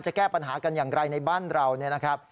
แก้ปัญหากันอย่างไรในบ้านเราเนี่ยนะครับ